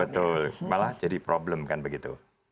betul malah jadi problem kan begitu